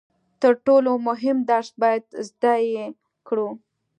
تر ټولو مهم درس باید زده یې کړو.